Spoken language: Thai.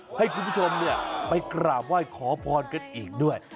ให้คุณผู้ชมไปกราบไหว้ขอพรกันอีกด้วย